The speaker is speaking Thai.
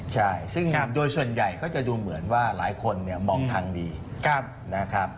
ใช่ซึ่งโดยส่วนใหญ่ก็จะดูเหมือนว่าหลายคนเนี่ยมองทางดีนะครับ